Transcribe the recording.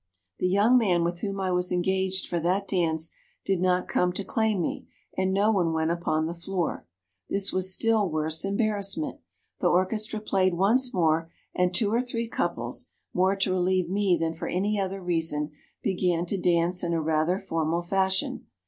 "The young man with whom I was engaged for that dance did not come to claim me, and no one went upon the floor. This was still worse embarrassment. The orchestra played once more, and two or three couples, more to relieve me than for any other reason, began to dance in a rather formal fashion.